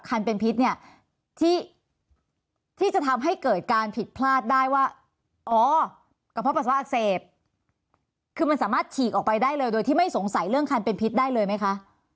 กระเพาะปัสสาวะอักเสบคือมันสามารถฉีกออกไปได้เลยโดยที่ไม่สงสัยเรื่องคันเป็นพิษได้เลยไหมคะ